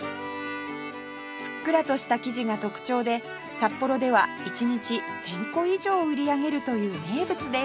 ふっくらとした生地が特長で札幌では１日１０００個以上売り上げるという名物です